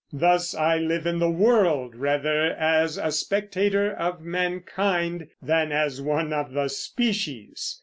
Thus I live in the world rather as a spectator of mankind than as one of the species